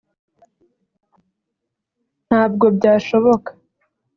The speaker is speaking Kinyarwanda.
ntabwo byashoboka